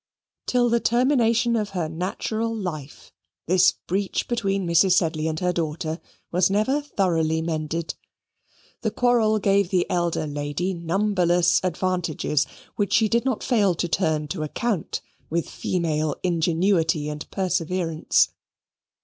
Till the termination of her natural life, this breach between Mrs. Sedley and her daughter was never thoroughly mended. The quarrel gave the elder lady numberless advantages which she did not fail to turn to account with female ingenuity and perseverance.